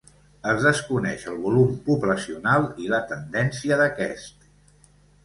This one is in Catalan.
Es desconeix el volum poblacional i la tendència d'aquest.